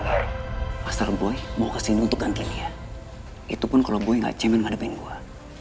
hai astarboy mau kesini untuk gantinya itu pun kalau gue nggak cemen hadapin gua